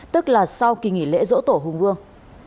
tức là sau kỳ nghỉ lễ dỗ tổ hùng vương